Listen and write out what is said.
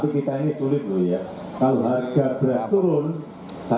jokowi mengatakan bahwa harga beras tidak bisa dihubungi dengan kebutuhan